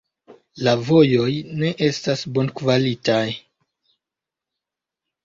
La vojoj ne estas bonkvalitaj.